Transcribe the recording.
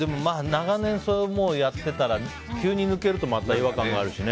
長年やってたら急に抜けるとまた違和感があるしね。